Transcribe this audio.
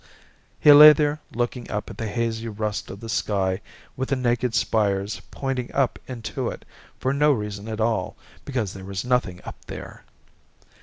He lay there looking up at the hazy rust of the sky with the naked spires pointing up into it for no reason at all, because there was nothing up there.